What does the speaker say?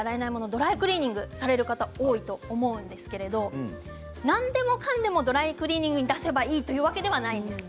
ドライクリーニングされる方多いと思うんですけれども何でもかんでもドライクリーニングに出せばいいというわけではないんです。